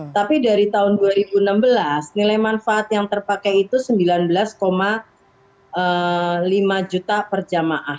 tapi dari tahun dua ribu enam belas nilai manfaat yang terpakai itu sembilan belas lima juta per jemaah